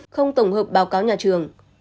không tổng hợp báo cáo nhà trường